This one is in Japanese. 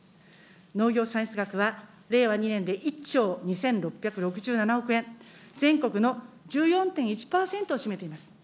農業産出額は令和２年で１兆２６６７億円、全国の１４．１％を占めています。